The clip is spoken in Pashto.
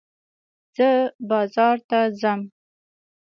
زه بازار ته ځم.